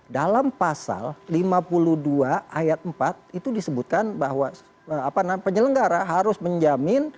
dalam pasal lima puluh dua ayat empat itu disebutkan bahwa penyelenggara harus menjamin